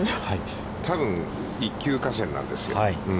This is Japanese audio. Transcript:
多分、一級河川なんですよ。